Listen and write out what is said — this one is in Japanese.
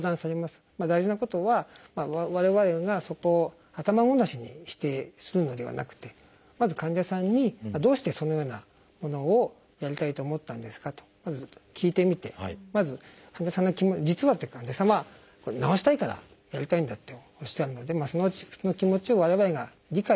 大事なことは我々がそこを頭ごなしに否定するのではなくてまず患者さんにどうしてそのようなものをやりたいと思ったんですかとまず聞いてみてまず患者さんの「実は」って患者さんは「治したいからやりたいんだ」っておっしゃるのでその気持ちを我々が理解してですね